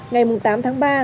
ngày mùng tám tháng ba